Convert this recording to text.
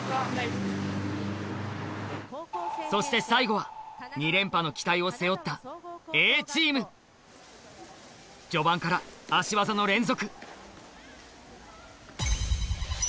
そして最後は２連覇の期待を背負った Ａ チーム序盤から足技の連続